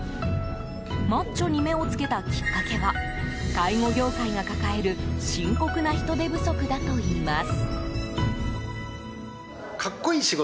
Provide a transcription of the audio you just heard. マッチョに目をつけたきっかけは介護業界が抱える深刻な人手不足だといいます。